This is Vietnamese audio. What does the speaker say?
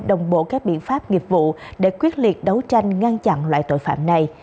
đồng bộ các biện pháp nghiệp vụ để quyết liệt đấu tranh ngăn chặn loại tội phạm này